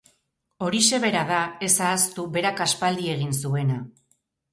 Horixe bera da, ez ahaztu, berak aspaldi egin zuena.